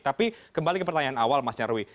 tapi kembali ke pertanyaan awal mas nyarwi